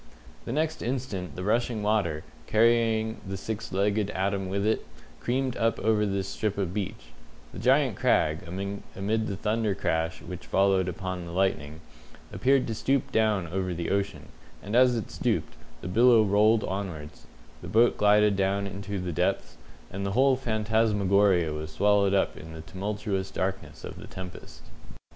The next instant the rushing water, carrying the six legged atom with it, creamed up over this strip of beach; the giant crag, amid the thunder crash which followed upon the lightning, appeared to stoop down over the ocean, and as it stooped, the billow rolled onwards, the boat glided down into the depths, and the whole phantasmagoria was swallowed up in the tumultuous darkness of the tempest.